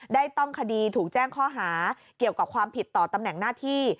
ต้องคดีถูกแจ้งข้อหาเกี่ยวกับความผิดต่อตำแหน่งหน้าที่